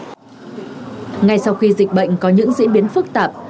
ngay sau khi dịch bệnh có những diễn biến phức tạp